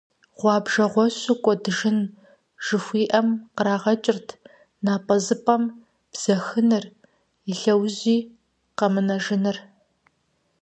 «Гъуэбжэгъуэщу кӀуэдыжын» жыхуиӏэм кърагъэкӏырт напӀэзыпӀэм бзэхыныр, и лъэужьи къэмынэжыныр.